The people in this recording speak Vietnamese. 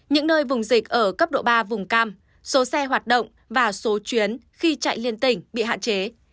những nơi vùng dịch ở cấp độ ba vùng cam số xe hoạt động và số chuyến khi chạy liên tỉnh bị hạn chế